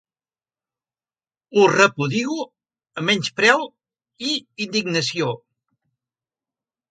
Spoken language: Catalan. Ho repudio amb menyspreu i indignació.